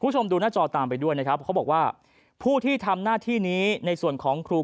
คุณผู้ชมดูหน้าจอตามไปด้วยนะครับเขาบอกว่าผู้ที่ทำหน้าที่นี้ในส่วนของครู